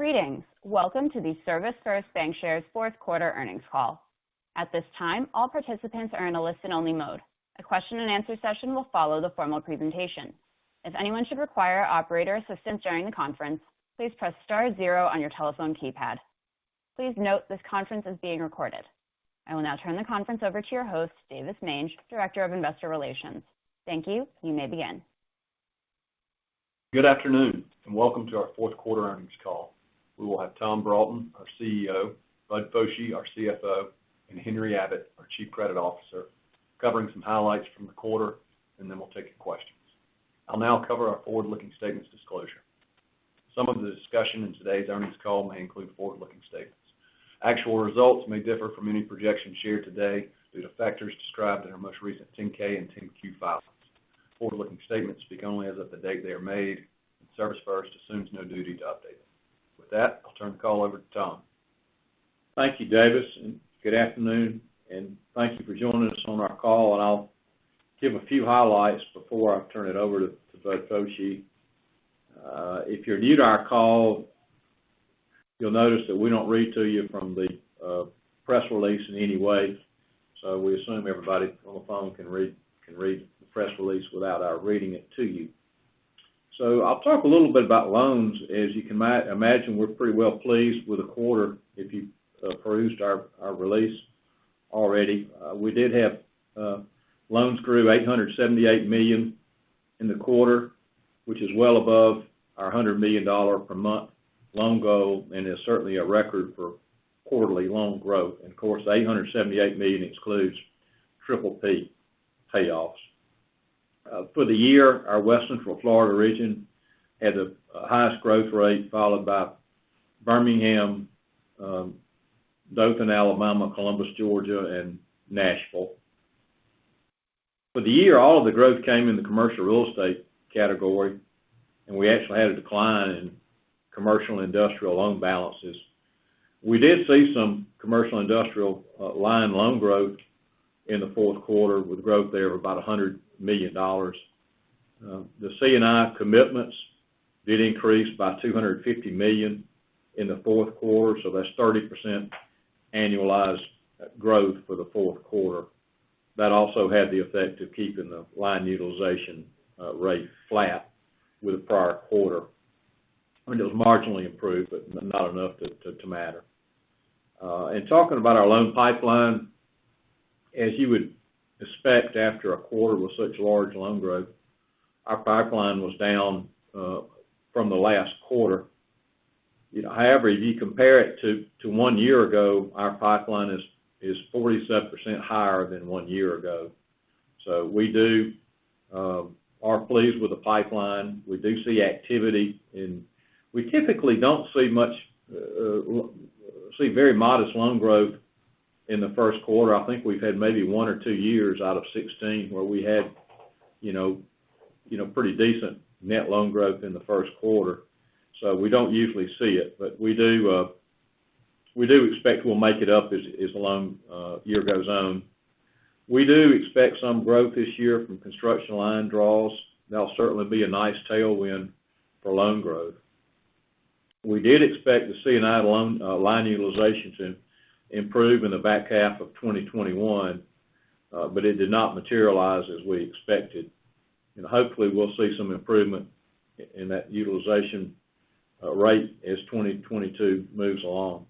Greetings. Welcome to the ServisFirst Bancshares fourth quarter earnings call. At this time, all participants are in a listen-only mode. A question and answer session will follow the formal presentation. If anyone should require operator assistance during the conference, please press star zero on your telephone keypad. Please note this conference is being recorded. I will now turn the conference over to your host, Davis Mange, Director of Investor Relations. Thank you. You may begin. Good afternoon, and welcome to our fourth quarter earnings call. We will have Tom Broughton, our CEO, Bud Foshee, our CFO, and Henry Abbott, our Chief Credit Officer, covering some highlights from the quarter, and then we'll take your questions. I'll now cover our forward-looking statements disclosure. Some of the discussion in today's earnings call may include forward-looking statements. Actual results may differ from any projections shared today due to factors described in our most recent 10-K and 10-Q filings. Forward-looking statements speak only as of the date they are made, and ServisFirst assumes no duty to update them. With that, I'll turn the call over to Tom. Thank you, Davis, and good afternoon, and thank you for joining us on our call. I'll give a few highlights before I turn it over to Bud Foshee. If you're new to our call, you'll notice that we don't read to you from the press release in any way. We assume everybody on the phone can read the press release without our reading it to you. I'll talk a little bit about loans. As you can imagine, we're pretty well pleased with the quarter, if you've perused our release already. We did have loans grew $878 million in the quarter, which is well above our $100 million per month loan goal, and is certainly a record for quarterly loan growth. Of course, $878 million excludes triple P payoffs. For the year, our West Central Florida region had the highest growth rate, followed by Birmingham, Dothan, Alabama, Columbus, Georgia, and Nashville. For the year, all of the growth came in the commercial real estate category, and we actually had a decline in commercial and industrial loan balances. We did see some commercial & industrial line loan growth in the fourth quarter with growth there of about $100 million. The C&I commitments did increase by $250 million in the fourth quarter, so that's 30% annualized growth for the fourth quarter. That also had the effect of keeping the line utilization rate flat with the prior quarter. I mean, it was marginally improved, but not enough to matter. Talking about our loan pipeline, as you would expect after a quarter with such large loan growth, our pipeline was down from the last quarter. You know, however, if you compare it to one year ago, our pipeline is 47% higher than one year ago. We do are pleased with the pipeline. We do see activity and we typically don't see much—see very modest loan growth in the first quarter. I think we've had maybe one or two years out of 16 where we had, you know, pretty decent net loan growth in the first quarter. We don't usually see it, but we do expect we'll make it up as the loan year goes on. We do expect some growth this year from construction line draws. That'll certainly be a nice tailwind for loan growth. We did expect to see additional line utilization to improve in the back half of 2021, but it did not materialize as we expected. Hopefully, we'll see some improvement in that utilization rate as 2022 moves along.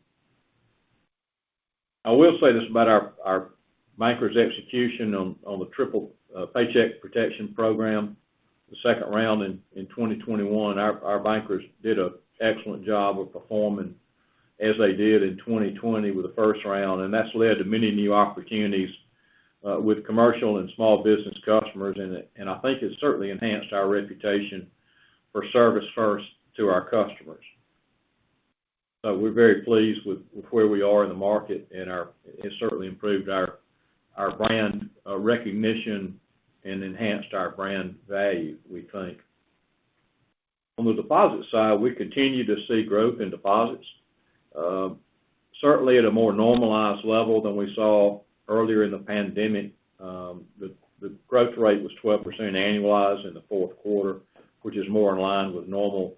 I will say this about our bankers' execution on the PPP, the Paycheck Protection Program, the second round in 2021. Our bankers did an excellent job of performing as they did in 2020 with the first round, and that's led to many new opportunities with commercial and small business customers. I think it certainly enhanced our reputation for ServisFirst Bank to our customers. We're very pleased with where we are in the market and it certainly improved our brand recognition and enhanced our brand value, we think. On the deposit side, we continue to see growth in deposits, certainly at a more normalized level than we saw earlier in the pandemic. The growth rate was 12% annualized in the fourth quarter, which is more in line with normal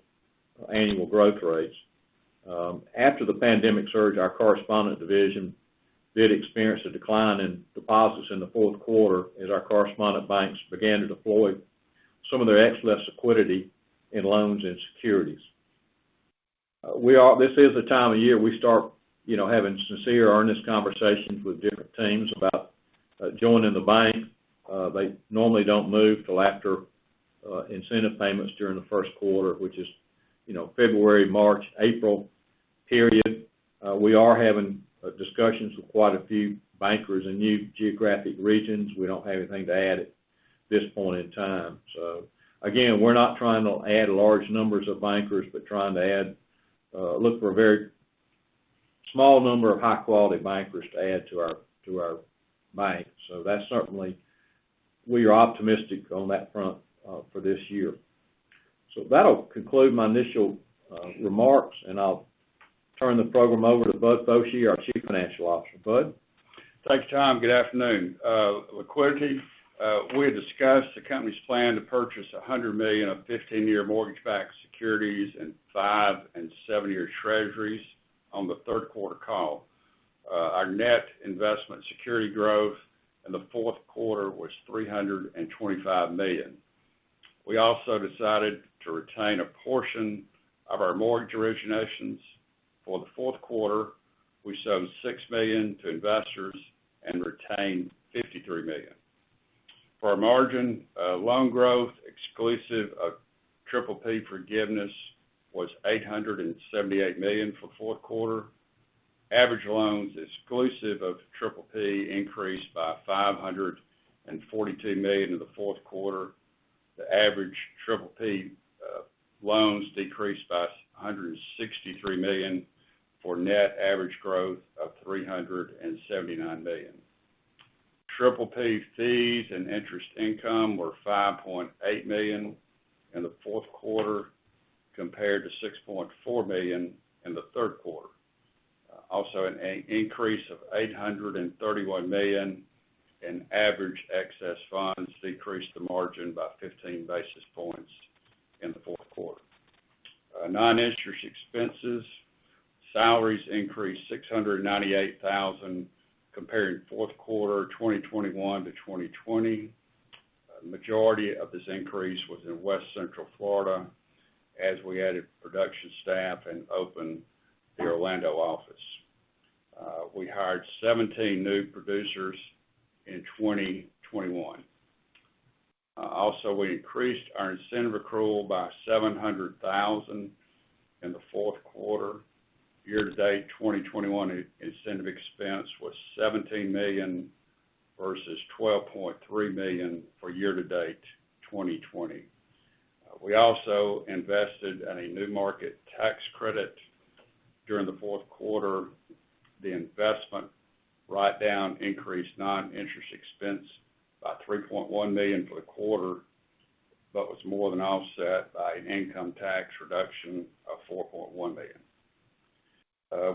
annual growth rates. After the pandemic surge, our correspondent division did experience a decline in deposits in the fourth quarter as our correspondent banks began to deploy some of their excess liquidity in loans and securities. This is the time of year we start, you know, having sincere, earnest conversations with different teams about joining the bank. They normally don't move till after incentive payments during the first quarter, which is, you know, February, March, April period. We are having discussions with quite a few bankers in new geographic regions. We don't have anything to add at this point in time. Again, we're not trying to add large numbers of bankers, but trying to add, look for a very small number of high-quality bankers to add to our bank. That's certainly. We are optimistic on that front, for this year. That'll conclude my initial remarks, and I'll turn it Turn the program over to Bud Foshee, our Chief Financial Officer. Bud? Thanks, Tom. Good afternoon. Liquidity, we had discussed the company's plan to purchase $100 million of 15-year mortgage-backed securities and five and seven year Treasuries on the third quarter call. Our net investment security growth in the fourth quarter was $325 million. We also decided to retain a portion of our mortgage originations. For the fourth quarter, we sold $6 million to investors and retained $53 million. For our margin, loan growth, exclusive of PPP forgiveness, was $878 million for fourth quarter. Average loans, exclusive of PPP, increased by $542 million in the fourth quarter. The average PPP loans decreased by $163 million, for net average growth of $379 million. PPP fees and interest income were $5.8 million in the fourth quarter compared to $6.4 million in the third quarter. Also an increase of $831 million in average excess funds decreased the margin by 15 basis points in the fourth quarter. Noninterest expenses, salaries increased $698 thousand comparing fourth quarter 2021 to 2020. Majority of this increase was in West Central Florida as we added production staff and opened the Orlando office. We hired 17 new producers in 2021. Also, we increased our incentive accrual by $700 thousand in the fourth quarter. Year-to-date, 2021 incentive expense was $17 million versus $12.3 million for year-to-date 2020. We also invested in a New Markets Tax Credit during the fourth quarter. The investment write-down increased non-interest expense by $3.1 million for the quarter, but was more than offset by an income tax reduction of $4.1 million.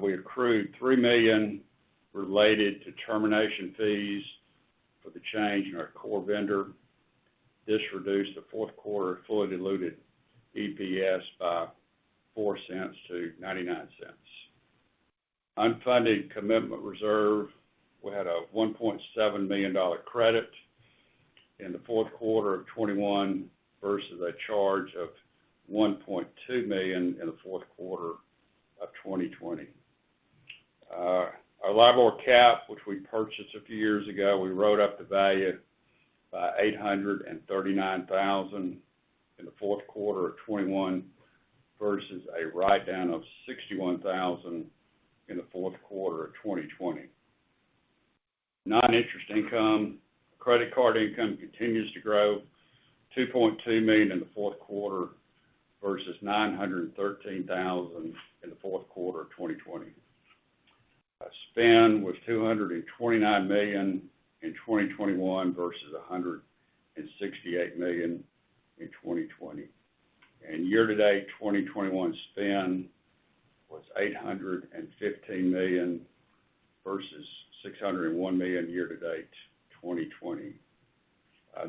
We accrued $3 million related to termination fees for the change in our core vendor. This reduced the fourth quarter fully diluted EPS by $0.04 to $0.99. Unfunded commitment reserve, we had a $1.7 million credit in the fourth quarter of 2021 versus a charge of $1.2 million in the fourth quarter of 2020. Our LIBOR cap, which we purchased a few years ago, we wrote up the value by $839,000 in the fourth quarter of 2021 versus a write-down of $61,000 in the fourth quarter of 2020. Non-interest income, credit card income continues to grow, $2.2 million in the fourth quarter versus $913,000 in the fourth quarter of 2020. Our spend was $229 million in 2021 versus $168 million in 2020. Year-to-date, 2021 spend was $815 million versus $601 million year-to-date 2020.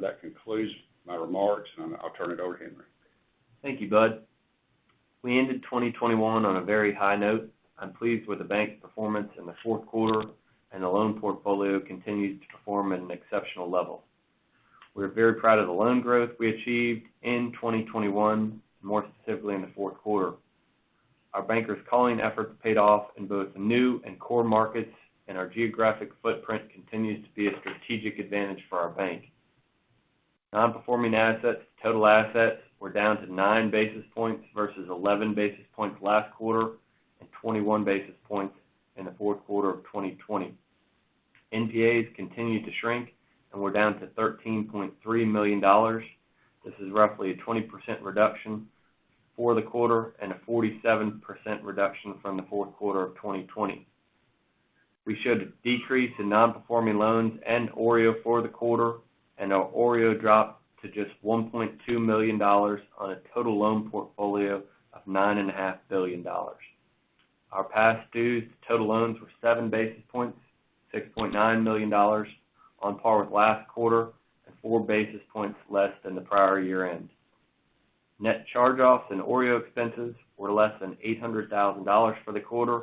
That concludes my remarks, and I'll turn it over to Henry. Thank you, Bud. We ended 2021 on a very high note. I'm pleased with the bank's performance in the fourth quarter, and the loan portfolio continues to perform at an exceptional level. We're very proud of the loan growth we achieved in 2021, more specifically in the fourth quarter. Our bankers' calling efforts paid off in both new and core markets, and our geographic footprint continues to be a strategic advantage for our bank. Non-performing assets to total assets were down to 9 basis points versus 11 basis points last quarter and 21 basis points in the fourth quarter of 2020. NPAs continued to shrink, and we're down to $13.3 million. This is roughly a 20% reduction for the quarter and a 47% reduction from the fourth quarter of 2020. We showed a decrease in non-performing loans and OREO for the quarter, and our OREO dropped to just $1.2 million on a total loan portfolio of $9.5 billion. Our past dues total loans were seven basis points, $6.9 million on par with last quarter and four basis points less than the prior year-end. Net charge-offs and OREO expenses were less than $800,000 for the quarter.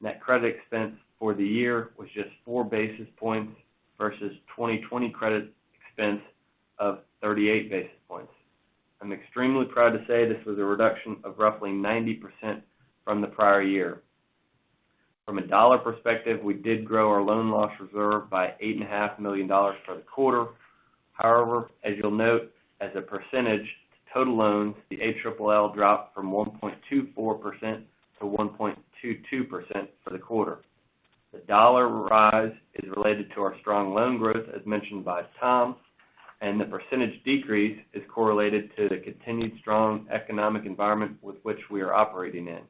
Net credit expense for the year was just four basis points versus 2020 credit expense of 38 basis points. I'm extremely proud to say this was a reduction of roughly 90% from the prior year. From a dollar perspective, we did grow our loan loss reserve by $8.5 million for the quarter. However, as you'll note, as a percentage to total loans, the ALL dropped from 1.24% to 1.22% for the quarter. The dollar rise is related to our strong loan growth, as mentioned by Tom, and the percentage decrease is correlated to the continued strong economic environment with which we are operating in.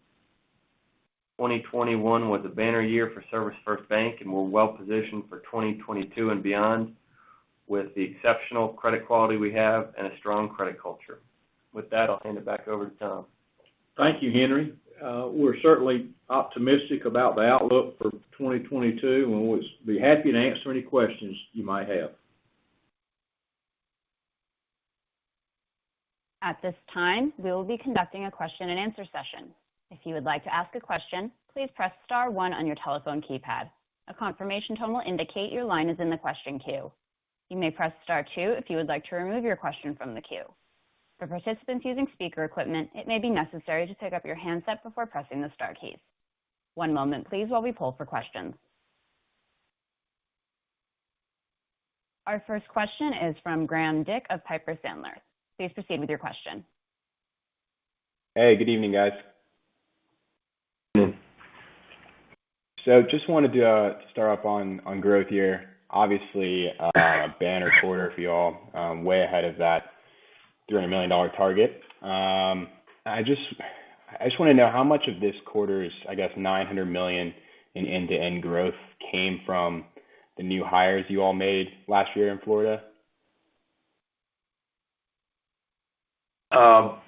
2021 was a banner year for ServisFirst Bank, and we're well-positioned for 2022 and beyond. With the exceptional credit quality we have and a strong credit culture. With that, I'll hand it back over to Tom. Thank you, Henry. We're certainly optimistic about the outlook for 2022, and we'll be happy to answer any questions you might have. At this time, we will be conducting a question-and-answer session. If you would like to ask a question, please press star one on your telephone keypad. A confirmation tone will indicate your line is in the question queue. You may press star two if you would like to remove your question from the queue. For participants using speaker equipment, it may be necessary to pick up your handset before pressing the star key. One moment please while we poll for questions. Our first question is from Graham Dick of Piper Sandler. Please proceed with your question. Hey, good evening, guys. Good evening. Just wanted to start off on growth year. Obviously, banner quarter for y'all, way ahead of that $300 million target. I just wanna know how much of this quarter's, I guess, $900 million in end-to-end growth came from the new hires you all made last year in Florida? I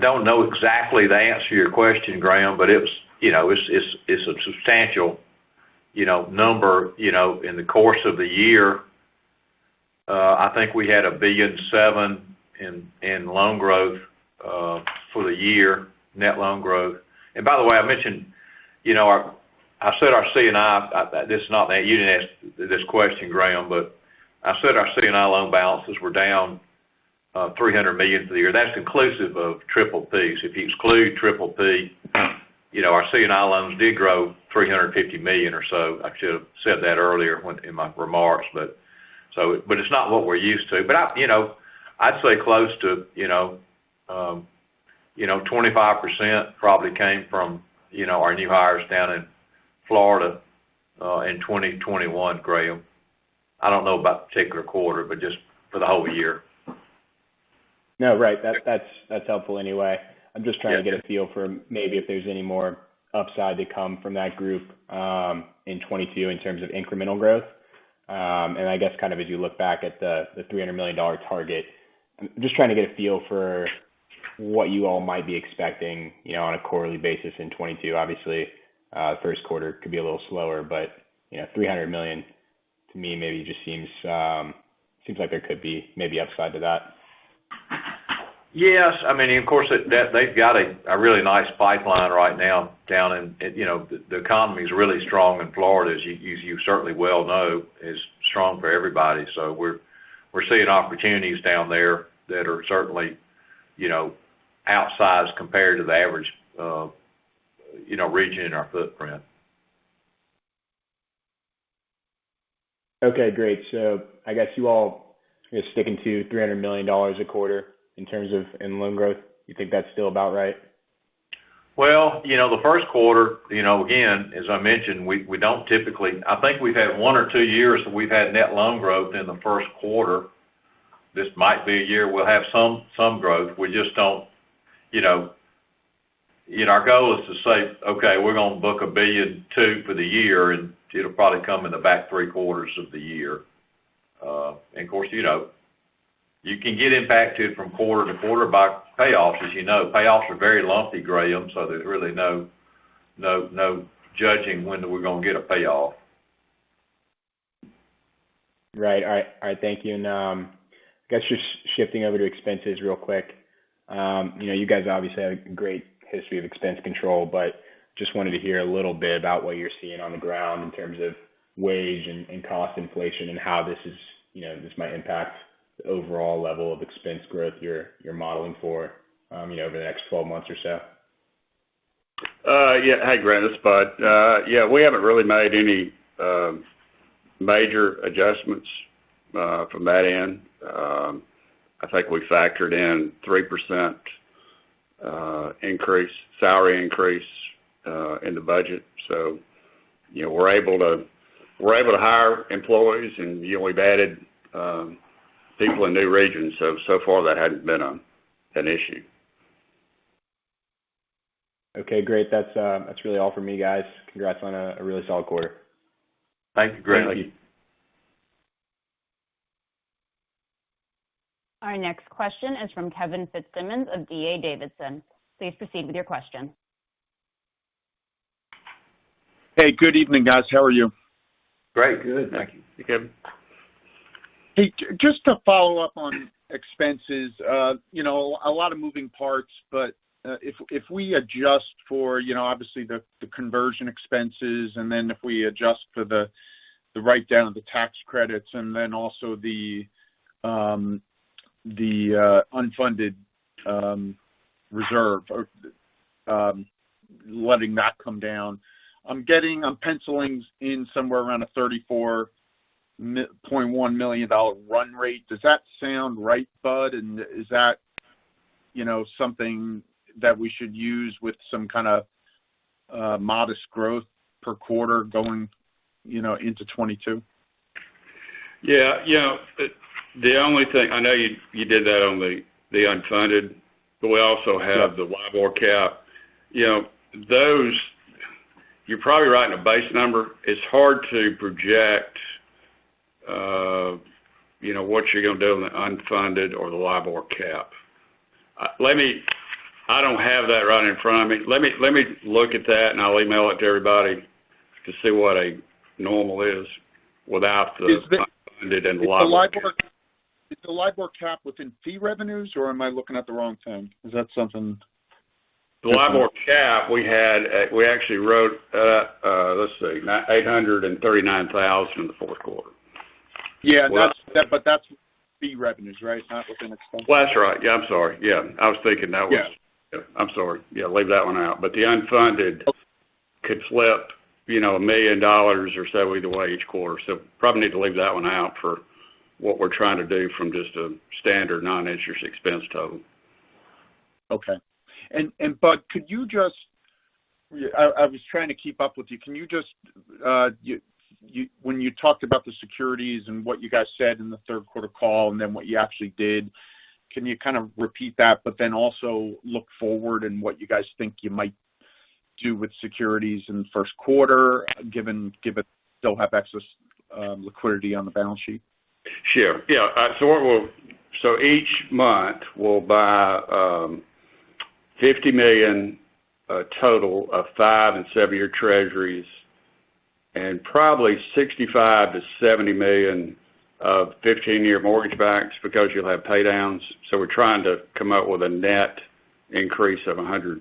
don't know exactly the answer to your question, Graham, but it was, you know, it's a substantial, you know, number, you know, in the course of the year. I think we had $1.007 billion in loan growth for the year, net loan growth. By the way, I mentioned, you know, our C&I, that's not that. You didn't ask this question, Graham, but I said our C&I loan balances were down $300 million for the year. That's inclusive of PPPs. If you exclude PPP, you know, our C&I loans did grow $350 million or so. I should have said that earlier in my remarks, but it's not what we're used to. I, you know, I'd say close to, you know, 25% probably came from, you know, our new hires down in Florida, in 2021, Graham. I don't know about the particular quarter, but just for the whole year. No, right. That's helpful anyway. I'm just trying to get a feel for maybe if there's any more upside to come from that group in 2022 in terms of incremental growth. I guess kind of as you look back at the $300 million target, I'm just trying to get a feel for what you all might be expecting, you know, on a quarterly basis in 2022. Obviously, first quarter could be a little slower, but you know, $300 million to me maybe just seems like there could be maybe upside to that. Yes. I mean, of course, that they've got a really nice pipeline right now down in Florida. You know, the economy is really strong in Florida, as you certainly well know, it is strong for everybody. We're seeing opportunities down there that are certainly, you know, outsized compared to the average region in our footprint. Okay, great. I guess you all are sticking to $300 million a quarter in terms of loan growth. You think that's still about right? Well, you know, the first quarter, you know, again, as I mentioned, we don't typically. I think we've had one or two years that we've had net loan growth in the first quarter. This might be a year we'll have some growth. We just don't, you know. You know, our goal is to say, "Okay, we're gonna book $1.2 billion for the year, and it'll probably come in the back three quarters of the year." And of course, you know, you can get impacted from quarter to quarter by payoffs. As you know, payoffs are very lumpy, Graham, so there's really no judging when we're gonna get a payoff. Right. All right, thank you. I guess, just shifting over to expenses real quick. You know, you guys obviously have a great history of expense control, but just wanted to hear a little bit about what you're seeing on the ground in terms of wage and cost inflation and how this might impact the overall level of expense growth you're modeling for, you know, over the next 12 months or so. Hey, Graham, it's Bud. Yeah, we haven't really made any major adjustments from that end. I think we factored in 3% increase, salary increase, in the budget. You know, we're able to hire employees and, you know, we've added people in new regions, so far that hasn't been an issue. Okay, great. That's really all for me, guys. Congrats on a really solid quarter. Thank you, Graham. Our next question is from Kevin Fitzsimmons of D.A. Davidson. Please proceed with your question. Hey, good evening, guys. How are you? Great. Good. Thank you. Hey, Kevin. Hey, just to follow up on expenses, you know, a lot of moving parts, but if we adjust for, you know, obviously the conversion expenses, and then if we adjust for the write down of the tax credits, and then also the unfunded reserve or letting that come down, I'm penciling in somewhere around a $34.1 million run rate. Does that sound right, Bud? Is that, you know, something that we should use with some kinda modest growth per quarter going, you know, into 2022? Yeah. You know, the only thing, I know you did that on the unfunded, but we also have the LIBOR cap. You know, those- You're probably writing a base number. It's hard to project, you know, what you're going to do on the unfunded or the LIBOR cap. Let me look at that, and I'll email it to everybody to see what a normal is without the- Is the- unfunded and LIBOR cap. Is the LIBOR cap within fee revenues, or am I looking at the wrong thing? Is that something The LIBOR cap we had, we actually wrote, let's see, $939 thousand in the fourth quarter. Yeah. That's fee revenues, right, not within expense. Well, that's right. Yeah. I'm sorry. Yeah. I was thinking that was. Yeah. Yeah. I'm sorry. Yeah, leave that one out. The unfunded could slip, you know, $1 million or so either way each quarter. Probably need to leave that one out for what we're trying to do from just a standard non-interest expense total. Okay. Bud, could you just I was trying to keep up with you. Can you just when you talked about the securities and what you guys said in the third quarter call and then what you actually did, can you kind of repeat that but then also look forward and what you guys think you might do with securities in the first quarter, given you still have excess liquidity on the balance sheet? Sure. Yeah. Each month, we'll buy $50 million total of 5- and 7-year Treasuries, and probably $65 million-$70 million of 15 year mortgage-backed securities because you'll have paydowns. We're trying to come up with a net increase of $100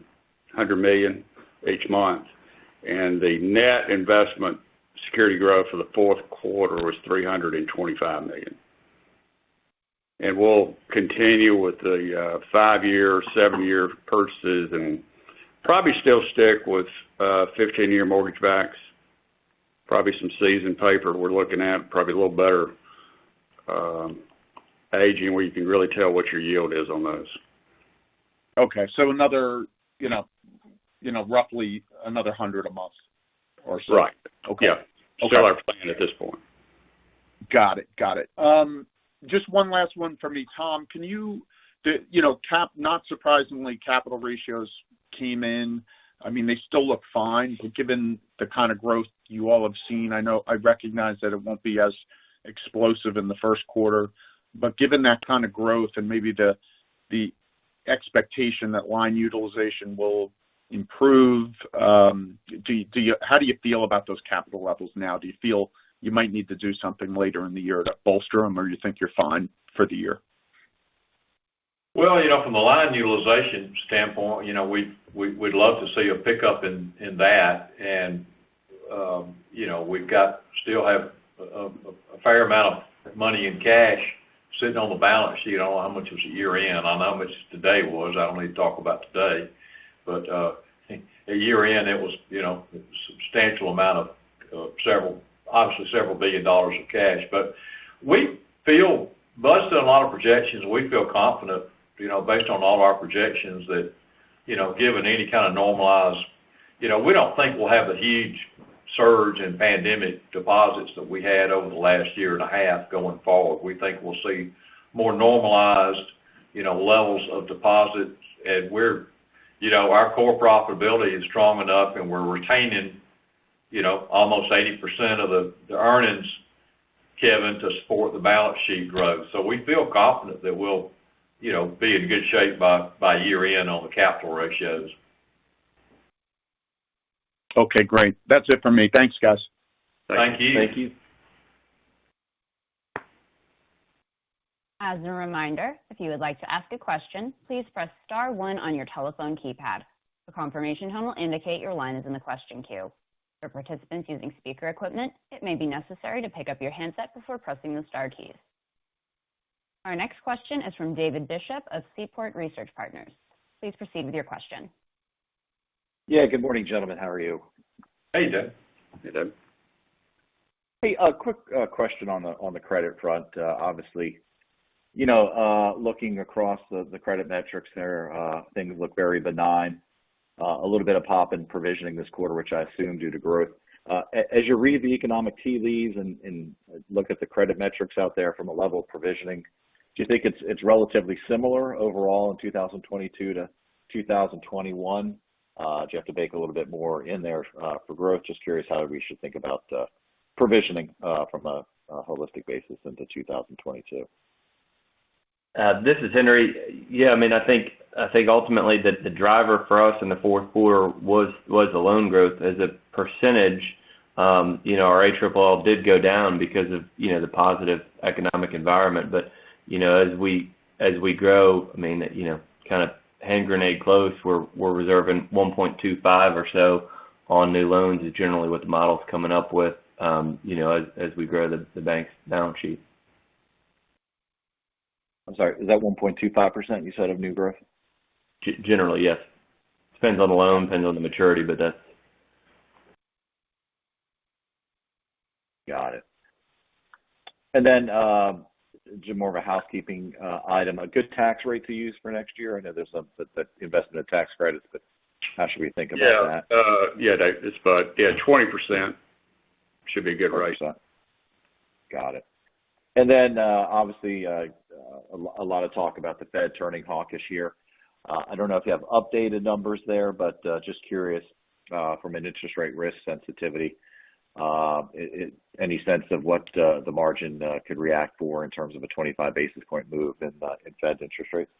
million each month. The net investment security growth for the fourth quarter was $325 million. We'll continue with the five year, seven year purchases and probably still stick with 15-year mortgage-backs, probably some seasoned paper we're looking at, probably a little better aging, where you can really tell what your yield is on those. Okay. Another, you know, roughly another $100 a month or so. Right. Okay. Yeah. Okay. Still our plan at this point. Got it. Just one last one for me, Tom. Not surprisingly, capital ratios came in. I mean, they still look fine, but given the kind of growth you all have seen, I recognize that it won't be as explosive in the first quarter. But given that kind of growth and maybe the expectation that line utilization will improve, do you how do you feel about those capital levels now? Do you feel you might need to do something later in the year to bolster them, or you think you're fine for the year? Well, you know, from a line utilization standpoint, you know, we'd love to see a pickup in that. You know, we still have a fair amount of money in cash sitting on the balance sheet. I don't know how much it was at year end. I know how much today was. I don't need to talk about today. At year-end, it was, you know, a substantial amount of $several billion in cash. We feel Bud's done a lot of projections, and we feel confident, you know, based on all of our projections that, you know, given any kind of normalized. You know, we don't think we'll have the huge surge in pandemic deposits that we had over the last year and a half going forward. We think we'll see more normalized, you know, levels of deposits. We're you know, our core profitability is strong enough, and we're retaining, you know, almost 80% of the earnings, Kevin, to support the balance sheet growth. We feel confident that we'll, you know, be in good shape by year-end on the capital ratios. Okay, great. That's it for me. Thanks, guys. Thank you. Thank you. As a reminder, if you would like to ask a question, please press star one on your telephone keypad. A confirmation tone will indicate your line is in the question queue. For participants using speaker equipment, it may be necessary to pick up your handset before pressing the star key. Our next question is from David Bishop of Seaport Research Partners. Please proceed with your question. Yeah, good morning, gentlemen. How are you? Hey, Dave. Hey, David. Hey, a quick question on the credit front. Obviously, you know, looking across the credit metrics there, things look very benign. A little bit of pop in provisioning this quarter, which I assume due to growth. As you read the economic tea leaves and look at the credit metrics out there from a level of provisioning, do you think it's relatively similar overall in 2022 to 2021? Do you have to bake a little bit more in there for growth? Just curious how we should think about provisioning from a holistic basis into 2022. This is Henry. Yeah, I mean, I think ultimately the driver for us in the fourth quarter was the loan growth. As a percentage, you know, our ALL did go down because of you know, the positive economic environment. You know, as we grow, I mean, you know, kind of hand grenade close, we're reserving 1.25% or so on new loans is generally what the model's coming up with, you know, as we grow the bank's balance sheet. I'm sorry, is that 1.25% you said of new growth? Generally, yes. Depends on the loan, depends on the maturity, but that's. Got it. Just more of a housekeeping item, a good tax rate to use for next year? I know there's some that invest in the tax credits, but how should we think about that? Yeah. Yeah, Dave, it's Bud. Yeah, 20% should be a good rate. Got it. Obviously, a lot of talk about the Fed turning hawkish here. I don't know if you have updated numbers there, but just curious, from an interest rate risk sensitivity, any sense of what the margin could react to in terms of a 25 basis point move in Fed interest rates?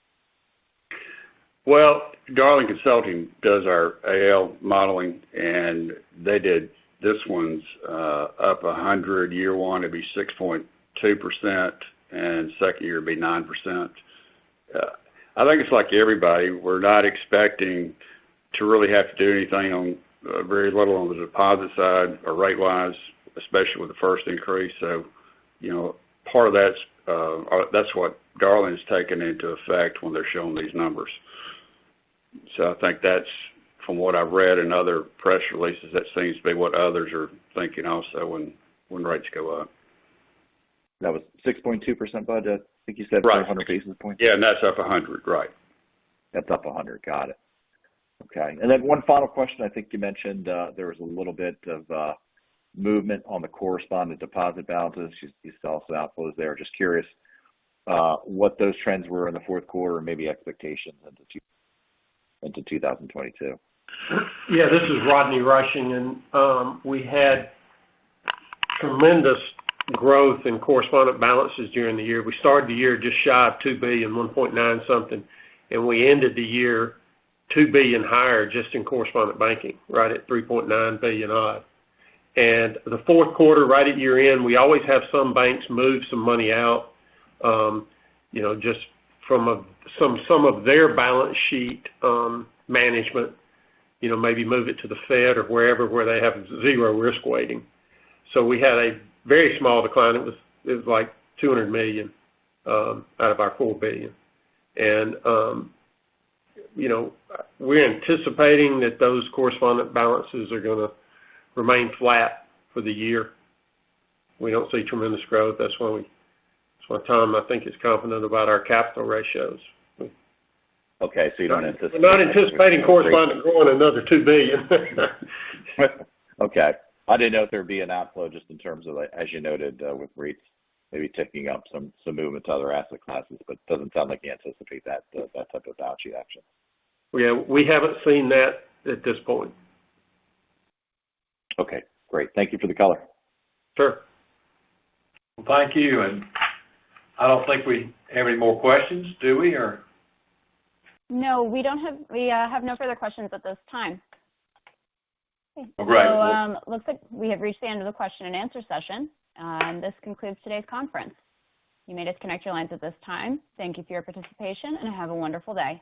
Well, Darling Consulting does our AL modeling, and they did this one's up 100. Year one, it'd be 6.2%, and second year it'd be 9%. I think it's like everybody, we're not expecting to really have to do anything or very little on the deposit side or rate-wise, especially with the first increase. You know, part of that's or that's what Darling's taken into account when they're showing these numbers. I think that's, from what I've read in other press releases, what others are thinking also when rates go up. That was 6.2%, Bud, I think you said. Right. for 100 basis points. Yeah, that's up 100. Right. That's up 100. Got it. Okay. Then one final question. I think you mentioned there was a little bit of movement on the correspondent deposit balances. You saw some outflows there. Just curious what those trends were in the fourth quarter or maybe expectations into 2022. This is Rodney Rushing. We had tremendous growth in correspondent balances during the year. We started the year just shy of $2 billion, $1.9 something, and we ended the year $2 billion higher just in correspondent banking, right at $3.9 billion odd. The fourth quarter, right at year-end, we always have some banks move some money out, you know, just from some of their balance sheet management, you know, maybe move it to the Fed or wherever, where they have zero risk weighting. We had a very small decline. It was like $200 million out of our $4 billion. You know, we're anticipating that those correspondent balances are gonna remain flat for the year. We don't see tremendous growth. That's why Tom, I think, is confident about our capital ratios. You don't anticipate. We're not anticipating correspondent growing another $2 billion. Okay. I didn't know if there'd be an outflow just in terms of, as you noted, with REITs maybe ticking up some movement to other asset classes, but doesn't sound like you anticipate that type of balance sheet action. We haven't seen that at this point. Okay, great. Thank you for the color. Sure. Well, thank you. I don't think we have any more questions, do we or? No, we have no further questions at this time. All right. Looks like we have reached the end of the question and answer session. This concludes today's conference. You may disconnect your lines at this time. Thank you for your participation, and have a wonderful day.